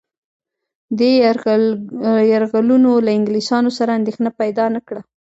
دې یرغلونو له انګلیسيانو سره اندېښنه پیدا نه کړه.